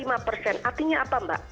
artinya apa mbak